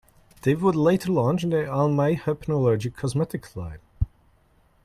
They would later launch the Almay hypoallergenic cosmetics line.